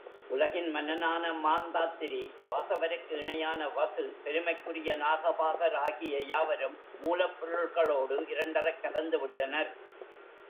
உலகின் மன்னனான மாந்தாத்திரி, வாசவருக்கு இணையான வசு, பெருமைக்குரிய நாகபாகர் ஆகிய யாவரும் மூலப்பொருள்களோடு இரண்டறக் கலந்து விட்டனர்.